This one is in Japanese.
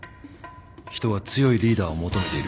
人は強いリーダーを求めている。